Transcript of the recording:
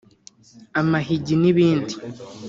amahigi n’ibindi